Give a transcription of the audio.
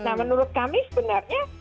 nah menurut kami sebenarnya